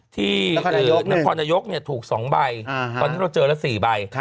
ที่นครนายกถูก๒ใบตอนนี้เราเจอละ๔ใบ